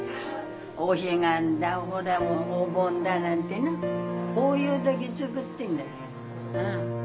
お彼岸だほらお盆だなんてなそういう時作ってんだ。